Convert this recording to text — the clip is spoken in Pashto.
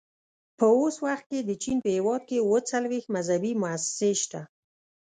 په اوس وخت کې د چین په هېواد کې اووه څلوېښت مذهبي مؤسسې شته.